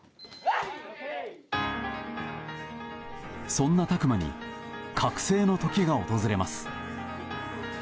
そんな拓真に覚醒の時が訪れます。